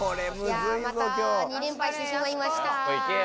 また２連敗してしまいました。